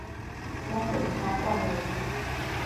และสินค้าประมง